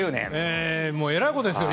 えらいことですよ。